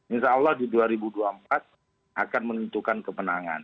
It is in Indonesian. insya allah di dua ribu dua puluh empat akan menentukan kemenangan